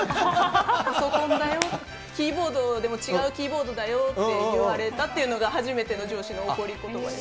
パソコンだよ、キーボードでも違うキーボードだよって言われたっていうのが、初めての上司の怒りことばでした。